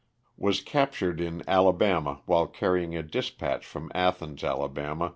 Was captured in Ala bama while carrying a dispatch from Athens, Ala.